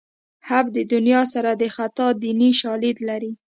حب د دنیا سر د خطا دیني شالید لري